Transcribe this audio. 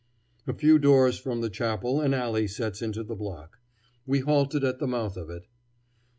A few doors from the chapel an alley sets into the block. We halted at the mouth of it.